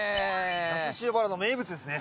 那須塩原の名物ですね。